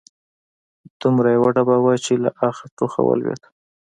دومره يې وډباوه چې له اخه، ټوخه ولوېد